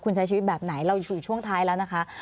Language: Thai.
คุณใช้ชีวิตแบบไหนเราอยู่ช่วงท้ายแล้วนะคะ